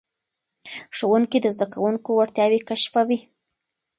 ښوونکي د زده کوونکو وړتیاوې کشفوي.